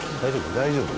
大丈夫？